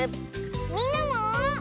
みんなも。